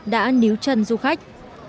đã níu chân du khách